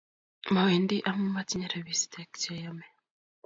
Mawendi amun matinye rapistek che yame